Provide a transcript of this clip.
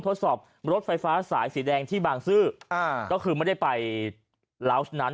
ทดสอบรถไฟฟ้าสายสีแดงที่บางซื่ออ่าก็คือไม่ได้ไปลาวส์นั้น